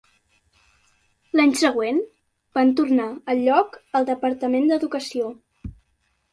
L'any següent, van tornar el lloc al Departament d'Educació.